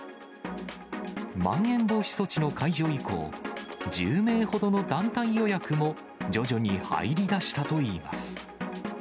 まん延防止措置の解除以降、１０名ほどの団体予約も徐々に入りだしたといいます。